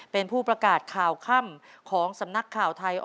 เป็นผู้ประกาศข่าวค่ำของสำนักข่าวไทย